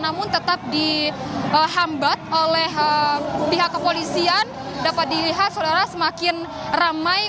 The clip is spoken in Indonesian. namun tetap dihambat oleh pihak kepolisian dapat dilihat saudara semakin ramai